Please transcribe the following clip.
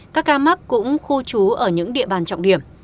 các ca mắc cũng khu trú ở những địa bàn trọng điểm